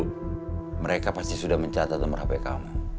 tapi mereka pasti sudah mencatat nomor hp kamu